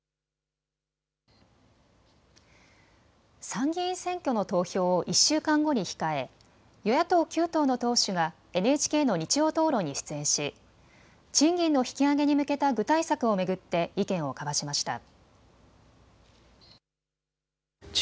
参議院選挙の投票を１週間後に控え、与野党９党の党首がＮＨＫの日曜討論に出演し賃金の引き上げに向けた具体策を巡って意見を交わしました。